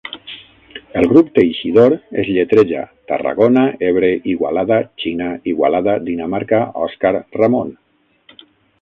El grup 'Teixidor' es lletreja Tarragona-Ebre-Igualada-Xina-Igualada-Dinamarca-Òscar-Ramon.